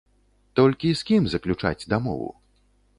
Толькі з кім заключаць дамову?